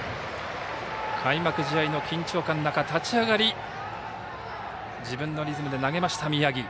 開幕試合の緊張感の中立ち上がりを自分のリズムで投げました、宮城。